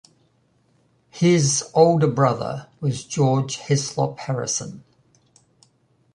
His older brother was George Heslop-Harrison.